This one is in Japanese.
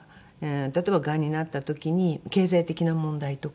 例えばがんになった時に経済的な問題とか。